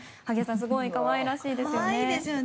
すごい可愛らしいですよね。